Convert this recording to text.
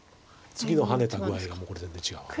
次のハネた具合がこれ全然違うわけだ。